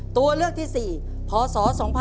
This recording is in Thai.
ตัวเลือกที่๔พศ๒๕๖๒